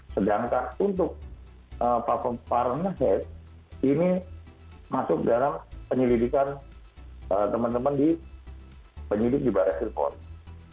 sedangkan untuk platform fahrenheit ini masuk dalam penyelidikan teman teman penyidik di barreslin port